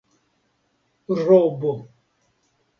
robo